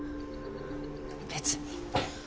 別に。